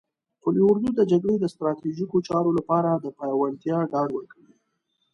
قول اردو د جګړې د ستراتیژیکو چارو لپاره د پیاوړتیا ډاډ ورکوي.